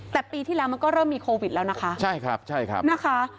แต่ปีที่แล้วมันก็เริ่มมีโควิดแล้วนะคะใช่ครับใช่ครับนะคะ